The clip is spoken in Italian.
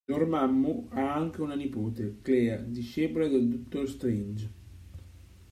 Dormammu ha anche una nipote, Clea, discepola del Dottor Strange.